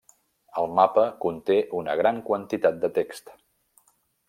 El mapa conté una gran quantitat de text.